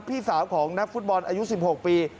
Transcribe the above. พี่สาวของนักฟุตบอลอายุ๑๖ปี